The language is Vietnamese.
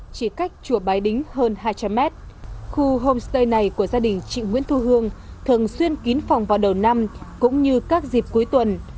chỉ cách chùa bái đính hơn hai trăm linh mét khu homestay này của gia đình chị nguyễn thu hương thường xuyên kín phòng vào đầu năm cũng như các dịp cuối tuần